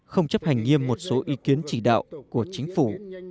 không chấp hành nghiêm một số ý kiến chỉ đạo của chính phủ